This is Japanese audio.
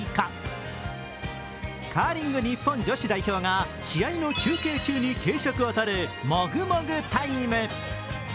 カーリング日本女子代表が試合の休憩中に軽食をとるもぐもぐタイム。